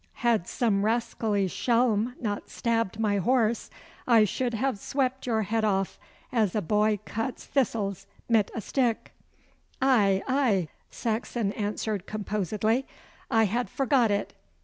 Had some rascally schelm not stabbed my horse I should have swept your head off as a boy cuts thistles mit a stick.' 'Aye, aye,' Saxon answered composedly, 'I had forgot it.